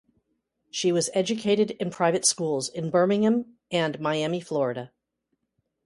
She was educated in private schools in Birmingham and Miami, Florida.